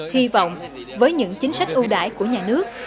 hy vọng với những chính sách ưu đãi của nhà nước